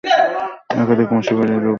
একাধিক মুফাসির এরূপও ব্যাখ্যা করেছেন।